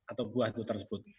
atau buah itu tersebut